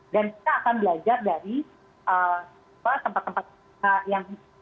dan kita akan belajar dari tempat tempat yang sudah bukti